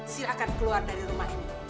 silahkan keluar dari rumah ini